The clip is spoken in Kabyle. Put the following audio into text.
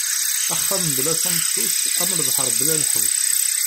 Axxam bla tameṭṭut am lebḥer bla lḥut.